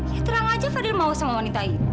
ya terang aja fadil mau sama wanita itu